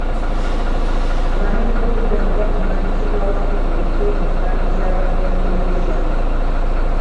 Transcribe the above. Abanoonyiboobubudamu bakungaanyizibwa wamu bulijjo mu nkambi z'abanoonyiboobubudamu.